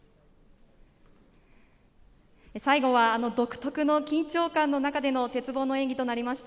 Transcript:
最後は独特の緊張感の中での鉄棒の演技となりました。